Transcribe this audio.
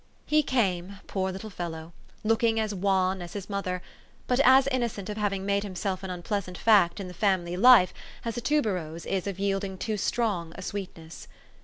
He came, poor little fellow ! looking as wan as his mother, but as innocent of having made himself an unpleasant fact in the family life as a tuberose is of yielding too strong a sweetness.